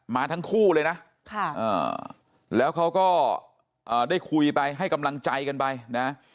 มาทั้งคู่เลยนะแล้วเขาก็ได้คุยไปให้กำลังใจกันไปนะ